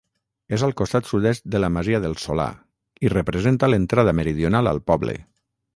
És al costat sud-est de la masia del Solà, i representa l'entrada meridional al poble.